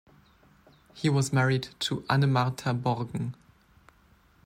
He was married to Annemarta Borgen.